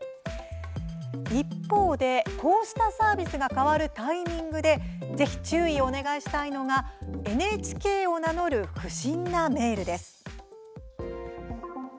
一方、こうしたサービスが変わるタイミングでぜひ注意をお願いしたいのがＮＨＫを名乗る不審なメールです。